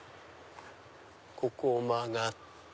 ここを曲がって。